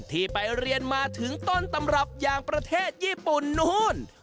ที่ไปเรียนมาถึงต้นตำรับอย่างประเทศญี่ปุ่นนู้น